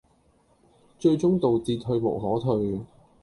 最終導致退無可退